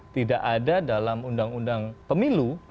tidak ada dalam undang undang pemilu